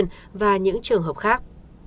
ngoài những trường hợp khác